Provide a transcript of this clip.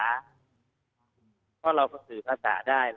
เพราะเราก็สื่อภาษาได้